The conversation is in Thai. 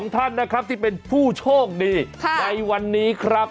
ท่านนะครับที่เป็นผู้โชคดีในวันนี้ครับ